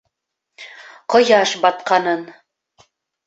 Ҡояш батҡанын.